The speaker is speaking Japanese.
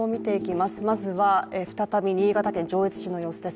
まずは、再び新潟県上越市の様子です。